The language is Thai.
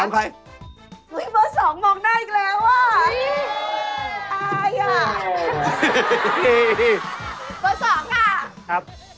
ครับ